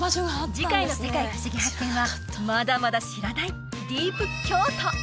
次回の「世界ふしぎ発見！」はまだまだ知らないディープ京都！